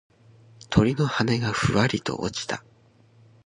鳥の羽がふわりと落ちた。